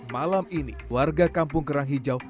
malam ini warga kampung kerang hijau